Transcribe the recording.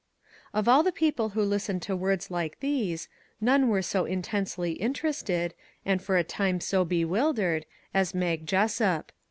Of all the people who listened to words like these, none were so intensely interested, and for a time so bewildered, as Mag Jessup.